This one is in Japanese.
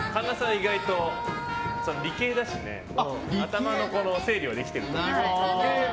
意外と理系だしね頭の整理はできてると思う。